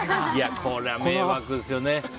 これは迷惑ですよね。